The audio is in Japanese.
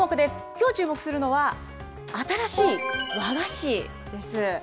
きょうチューモクするのは、新しい和菓子です。